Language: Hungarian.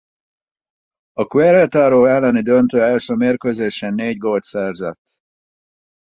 A Querétaro elleni döntő első mérkőzésén négy gólt szerzett.